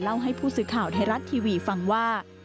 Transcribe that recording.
ให้ผู้สื่อข่าวไทยรัฐทีวีฟังว่า